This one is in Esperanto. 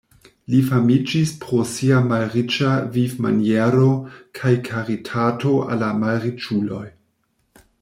Li famiĝis pro sia malriĉa vivmaniero kaj karitato al la malriĉuloj.